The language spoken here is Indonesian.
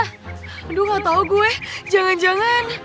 aduh gak tau gue jangan jangan